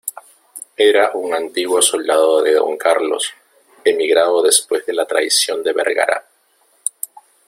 era un antiguo soldado de Don Carlos, emigrado después de la traición de Vergara.